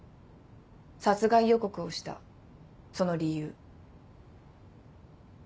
殺害予告をしたその理由。